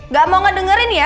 gak mau ngedengerin ya